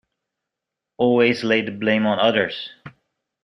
Always lay the blame on others!’